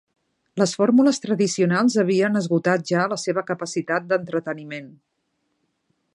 Les fórmules tradicionals havien esgotat ja la seva capacitat d'entreteniment.